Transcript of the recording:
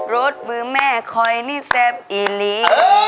รสมือแม่คอยนี่แซ่บอีลี